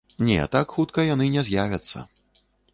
Не, так хутка яны не з'явяцца.